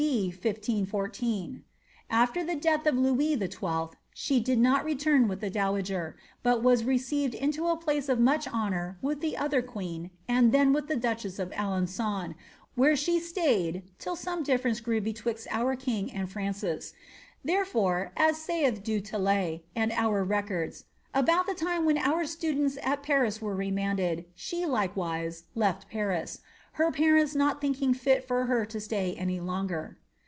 d. 1514. After the death of Louis XII. she did not return with the dowager, but was received into a place of much honour with the other queen, and then with the duchess of Aiengon, where she staid till some difference grew betwixt our king and Francis ; therefore, as saith Du Tillet, and oar records, ^ about the time when our students at Paris were remanded, she, likewise, led Paris, her parents not thinking fit for her to stay any kmger.